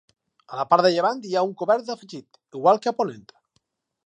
A la part de llevant hi ha un cobert afegit, igual que a ponent.